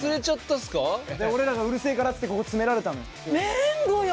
で俺らがうるせえからっつってここ詰められたのよ。